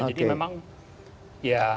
jadi memang ya